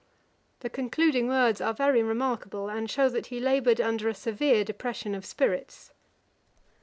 The concluding words are very remarkable, and shew that he laboured under a severe depression of spirits.